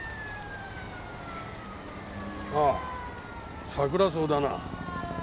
ああサクラソウだな。